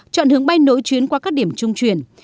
chọn hướng bay nổi chuyến qua các điểm trung truyền